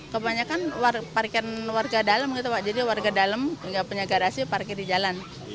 kebanyakan parkir warga dalam jadi warga dalam tidak punya garasi parkir di jalan